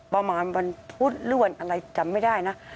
ประมาณวันพุธหรือวันอะไรจำไม่ได้นะ